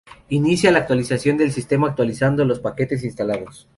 Inicia la actualización del sistema actualizando los paquetes instalados.